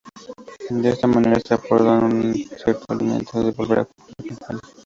De esta manera se aportaba un cierto aliciente en volver a jugar las campañas.